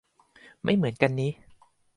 ไม่เหมือนกันนิ